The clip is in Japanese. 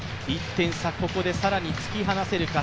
１点差、ここでさらに突き放せるか。